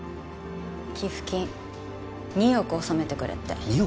寄付金２億納めてくれって２億！？